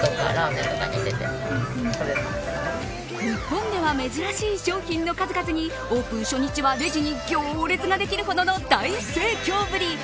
日本では珍しい商品の数々にオープン初日はレジに行列ができるほどの大盛況ぶり。